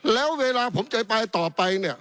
แล้วเวลาผมจะไปต่อไป